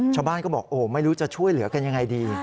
ชาวบ้านก็บอกโอ้ไม่รู้จะช่วยเหลือกันยังไงดี